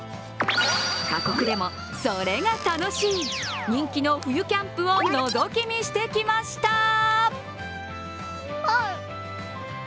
過酷でもそれが楽しい、人気の冬キャンプをのぞき見してきました。